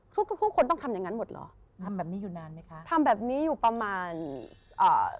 ทุกทุกทุกคนต้องทำอย่างงั้นหมดเหรอทำแบบนี้อยู่นานไหมคะทำแบบนี้อยู่ประมาณอ่า